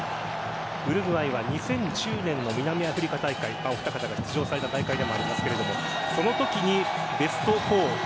ウルグアイは２０１０年の南アフリカ大会お二方が出場された大会でもありますがそのときベスト４。